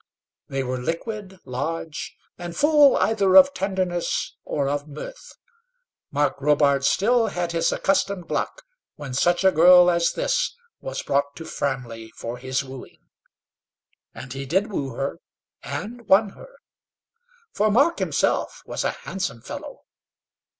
They were liquid, large, and full either of tenderness or of mirth. Mark Robarts still had his accustomed luck, when such a girl as this was brought to Framley for his wooing. And he did woo her and won her. For Mark himself was a handsome fellow.